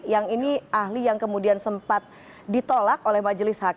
yang ini ahli yang kemudian sempat ditolak oleh majelis hakim